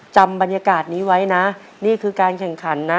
จำบรรยากาศนี้ไว้นะนี่คือการแข่งขันนะ